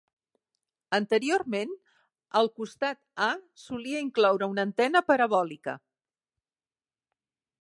Anteriorment, el costat A solia incloure una antena parabòlica.